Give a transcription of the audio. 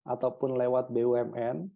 ataupun lewat bumn